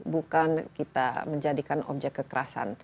bukan kita menjadikan objek kekerasan